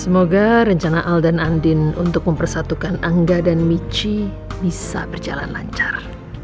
semoga rencana al dan andin untuk mempersatukan angga dan michi bisa berjalan lancar